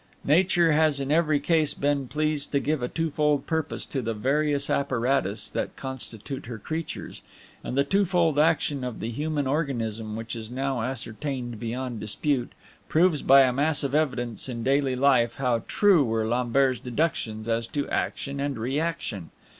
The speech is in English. Nature has in every case been pleased to give a twofold purpose to the various apparatus that constitute her creatures; and the twofold action of the human organism, which is now ascertained beyond dispute, proves by a mass of evidence in daily life how true were Lambert's deductions as to Action and Reaction.